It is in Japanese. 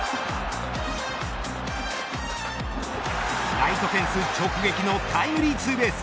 ライトフェンス直撃のタイムリーツーベース。